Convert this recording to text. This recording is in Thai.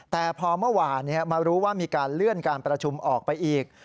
แต่พอเมื่อวานมารู้ว่ามีการเลื่อนการประชุมออกไปอีก